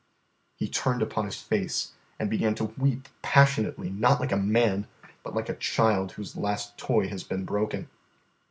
He turned upon his face and began to weep passionately, not like a man, but like a child whose last toy has been broken.